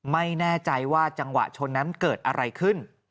ไม่แน่ใจว่าจังหวะชนนั้นเกิดอะไรขึ้น